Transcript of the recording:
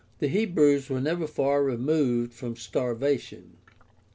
The Hebrews were never far removed from starvation.